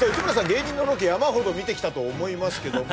芸人のロケ山ほど見てきたと思いますけど。